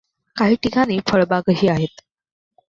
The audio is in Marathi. काही ठिकाणी फळबागही आहेत.